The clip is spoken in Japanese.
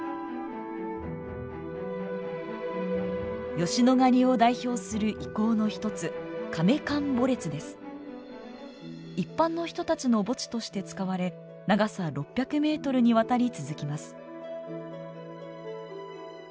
吉野ヶ里を代表する遺構の一つ一般の人たちの墓地として使われ長さ６００メートルにわたり続きます。